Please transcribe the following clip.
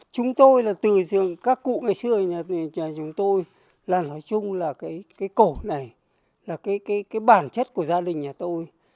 chúng tôi là từ các cụ ngày xưa thì chúng tôi là nói chung là cái cổ này là cái bản chất của gia đình nhà tôi